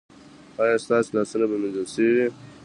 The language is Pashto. ایا ستاسو لاسونه به مینځل شوي وي؟